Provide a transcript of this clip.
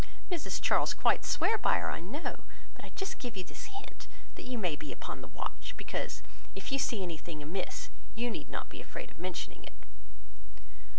Mrs Charles quite swears by her, I know; but I just give you this hint, that you may be upon the watch; because, if you see anything amiss, you need not be afraid of mentioning it."